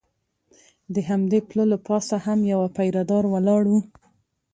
د همدې پله له پاسه هم یو پیره دار ولاړ و.